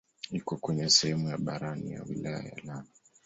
Iko kwenye sehemu ya barani ya wilaya ya Lamu.